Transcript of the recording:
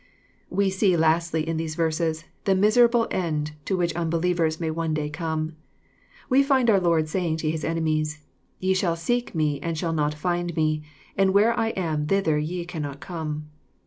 V .^^''^*^ We see lastly, in these verses, the miserable end to which unbelievers may one day come. We find our Lord saying to His enemies,^ —" Ye shall seek me, and shall not find me ; and where I am thither ye cannot come."